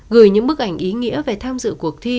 gửi những bức ảnh ý nghĩa về tham dự cuộc thi